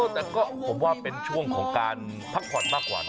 แต่ก็ผมว่าเป็นช่วงของการพักผ่อนมากกว่า